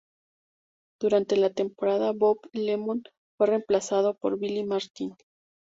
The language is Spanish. Durante la temporada, Bob Lemon fue reemplazado por Billy Martin.